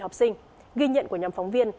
bảy mươi học sinh ghi nhận của nhóm phóng viên